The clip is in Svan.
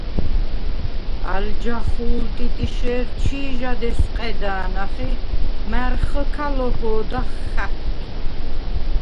ალ ჯახუ̄ლ ტიტიშე̄რ ჩი̄ჟად ესვყედა̄ნახ ი მა̈რხჷ ქა ლოჰოდახ ხახვდ.